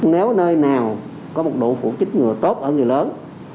nếu nơi nào có một độ phủ chích ngừa tốt ở người lớn